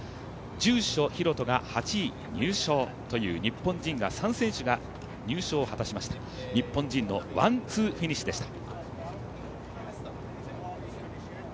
住所大翔が８位入賞という日本人３選手が入賞を果たしました日本人のワンツーフィニッシュでした。